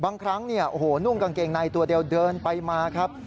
บางครั้งนุ่มกางเกงในตัวเดียวเดินไปมาครับ